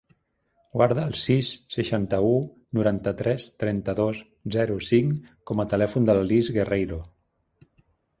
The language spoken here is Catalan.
Guarda el sis, seixanta-u, noranta-tres, trenta-dos, zero, cinc com a telèfon de l'Alice Guerreiro.